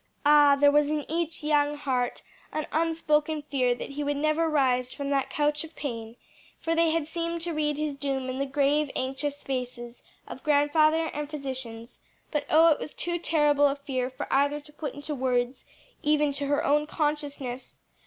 Ah, there was in each young heart an unspoken fear that he would never rise from that couch of pain, for they had seemed to read his doom in the grave, anxious faces of grandfather and physicians; but oh it was too terrible a fear for either to put into words even to her own consciousness!